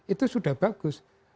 itu sudah bagus